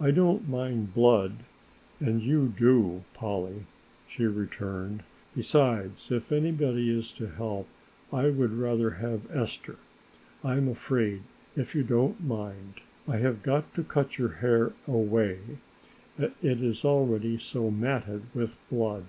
"I don't mind blood and you do, Polly," she returned, "besides if anybody is to help I would rather have Esther. I am afraid, if you don't mind, I have got to cut your hair away, it is already so matted with blood."